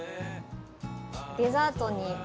デザートに。